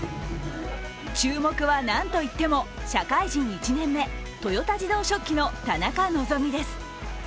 注目はなんといっても、社会人１年目、豊田自動織機の田中希実です。